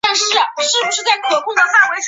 北宋大中祥符五年改名确山县。